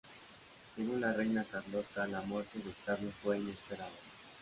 Según la reina Carlota, la muerte de Octavio fue inesperada.